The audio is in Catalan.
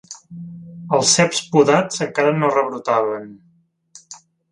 Els ceps podats encara no rebrotaven